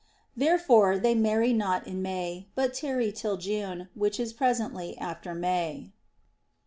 Therefore they marry not in May, but tarry till June, which is presently after May.